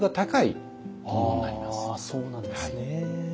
そうなんですね。